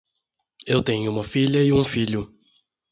Eu tenho uma filha e um filho.